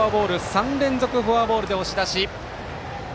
３連続フォアボールで押し出し。